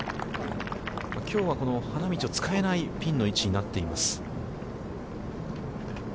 きょうはこの花道を使えないピンの位置になっています。